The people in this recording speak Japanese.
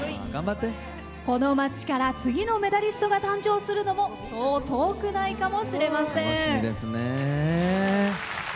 この町から次のメダリストが登場するのもそう遠くないかもしれません。